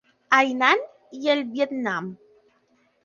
Hainan i el Vietnam.